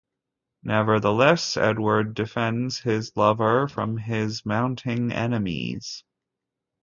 Nevertheless, Edward defends his lover from his mounting enemies.